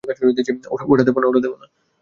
ওটা দেবো না!